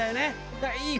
だからいい！